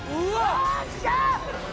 よっしゃー！